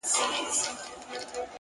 خدمت انسان ارزښتمن کوي